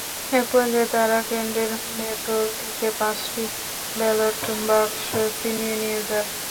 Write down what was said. একপর্যায়ে তাঁরা কেন্দ্রের ভেতরে ঢুকে পাঁচটি ব্যালট বাক্স ছিনিয়ে নিয়ে যান।